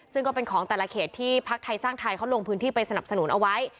ซึ่งก็เป็นของแต่ละเขตที่พักไทยสร้างไทยเขาลงพื้นที่ไปสนับสนุนเอาไว้